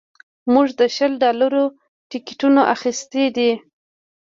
موږ د شل ډالرو ټکټونه اخیستي دي